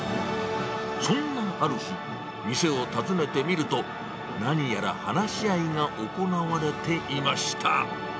そんなある日、店を訪ねてみると、何やら話し合いが行われていました。